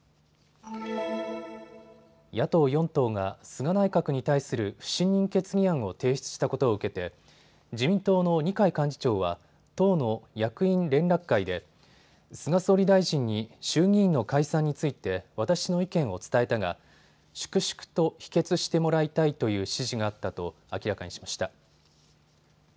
野党４党が菅内閣に対する不信任決議案を提出したことを受けて自民党の二階幹事長は党の役員連絡会で菅総理大臣に衆議院の解散について私の意見を伝えたが粛々と否決してもらいたいという指示があったと明らかにしました。